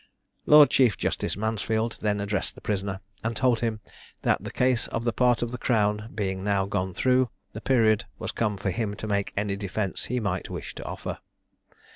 Lord Chief justice Mansfield then addressed the prisoner, and told him, that the case on the part of the crown being now gone through, the period was come for him to make any defence he might wish to offer.